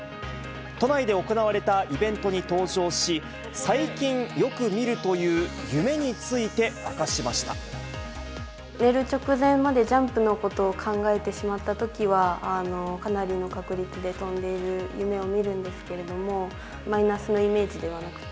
都内で行われたイベントに登場し、最近、よく見るという夢について寝る直前まで、ジャンプのことを考えてしまったときは、かなりの確率で飛んでいる夢を見るんですけれども、マイナスなイメージではなくて、